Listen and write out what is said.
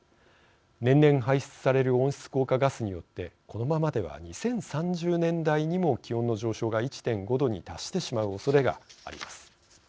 年々、排出される温室効果ガスによってこのままでは２０３０年代にも気温の上昇が１．５℃に達してしまうおそれがあります。